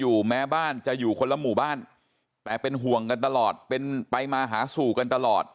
แม้บ้านจะอยู่คนละหมู่บ้านแต่เป็นห่วงกันตลอดเป็นไปมาหาสู่กันตลอด